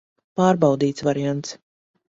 Pārbaudīts variants.